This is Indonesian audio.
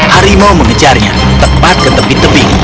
harimau mengejarnya tepat ke tepi tebing